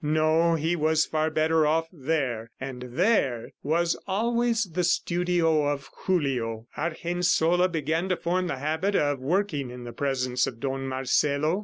No, he was far better off there ... and "there" was always the studio of Julio. Argensola began to form the habit of working in the presence of Don Marcelo.